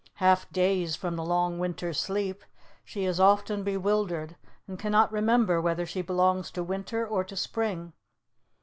Half dazed from the long winter sleep, she is often bewildered, and cannot remember whether she belongs to winter or to spring.